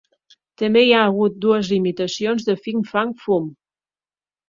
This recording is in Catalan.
També hi ha hagut dues imitacions de Fin Fang Foom.